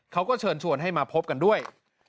เขาก็เชิญชวนให้มาพบกันด้วย